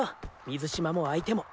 水嶋も相手も。